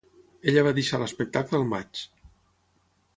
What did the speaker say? Ella va deixar l'espectacle al maig.